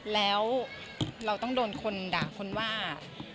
แล้วเราต้องโดนคนด่าคนว่า